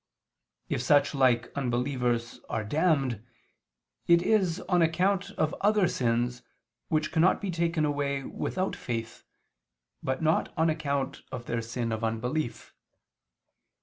If such like unbelievers are damned, it is on account of other sins, which cannot be taken away without faith, but not on account of their sin of unbelief.